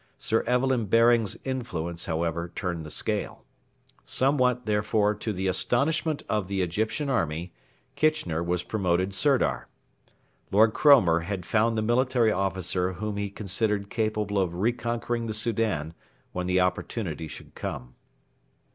Sir Evelyn Baring's influence, however, turned the scale. Somewhat, therefore, to the astonishment of the Egyptian army, Kitchener was promoted Sirdar. Lord Cromer had found the military officer whom he considered capable of re conquering the Soudan when the opportunity should come.